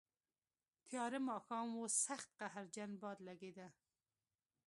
تیاره ماښام و، سخت قهرجن باد لګېده.